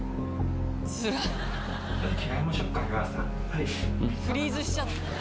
はい。